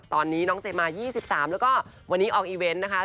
ตอนนี้น้องเจมา๒๓แล้วก็วันนี้ออกอีเวนต์นะคะ